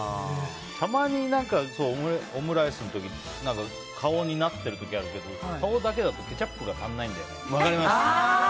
たまにオムライスの時顔になってる時あるけど顔だけだとケチャップが足りないんだよね。